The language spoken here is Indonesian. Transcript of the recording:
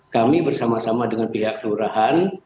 kami bersama sama dengan pihak lurahan